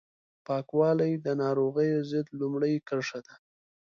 پاکوالی د ناروغیو ضد لومړۍ کرښه ده